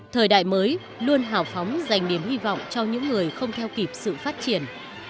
thời đại mới luôn hào phóng dành niềm hy vọng cho những người không theo kịp sự phát triển